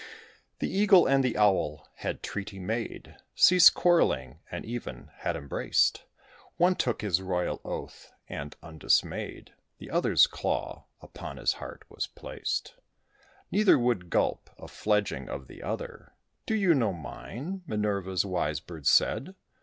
The Eagle and the Owl had treaty made Ceased quarrelling, and even had embraced. One took his royal oath; and, undismayed, The other's claw upon his heart was placed: Neither would gulp a fledgling of the other. "Do you know mine?" Minerva's wise bird said.